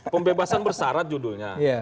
pembebasan bersarat judulnya